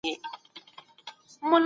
د پیغمبر حکم د ټولو لپاره واجب دی.